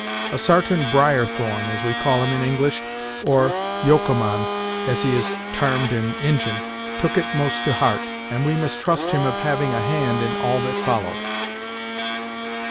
A sartain Briarthorn, as we call him in English, or Yocommon, as he is tarmed in Injin, took it most to heart, and we mistrust him of having a hand in all that followed."